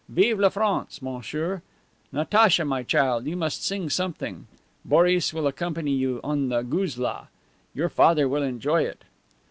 Vive la France, monsieur! Natacha, my child, you must sing something. Boris will accompany you on the guzla. Your father will enjoy it."